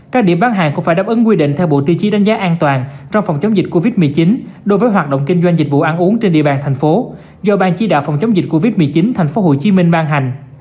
các điểm bán hàng cũng phải đáp ứng quy định theo bộ tiêu chí đánh giá an toàn trong phòng chống dịch covid một mươi chín đối với hoạt động kinh doanh dịch vụ ăn uống trên địa bàn thành phố do ban chỉ đạo phòng chống dịch covid một mươi chín tp hcm ban hành